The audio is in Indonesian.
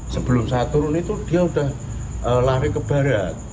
sebelum saya turun itu dia udah lari ke barat